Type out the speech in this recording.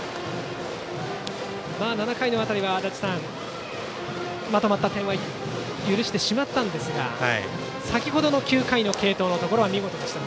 ７回には、まとまった点を許してしまったんですが先ほどの９回の継投は見事でした。